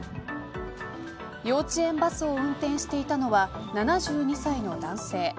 幼稚園バスを運転していたのは７２歳の男性。